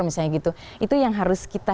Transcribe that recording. misalnya gitu itu yang harus kita